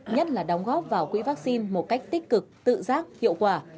nhất là đóng góp vào quỹ vaccine một cách tích cực tự giác hiệu quả